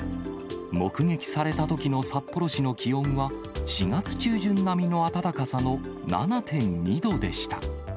目撃されたときの札幌市の気温は、４月中旬並みの暖かさの７．２度でした。